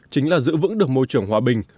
chính là giữ vững được môi trường hòa bình